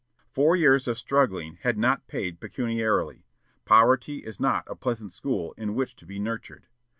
Four years of struggling had not paid pecuniarily. Poverty is not a pleasant school in which to be nurtured.